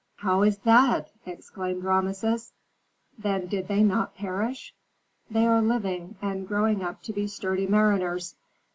"How is that?" exclaimed Rameses; "then did they not perish?" "They are living, and growing up to be sturdy mariners.